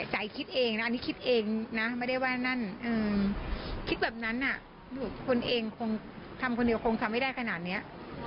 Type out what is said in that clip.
คิดเองนะอันนี้คิดเองนะไม่ได้ว่านั่นคิดแบบนั้นคนเองคงทำคนเดียวคงทำไม่ได้ขนาดนี้